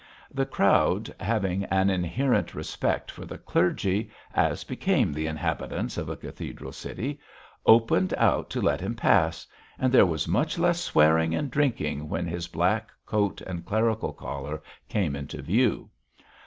The crowd, having an inherent respect for the clergy, as became the inhabitants of a cathedral city, opened out to let him pass, and there was much less swearing and drinking when his black coat and clerical collar came into view.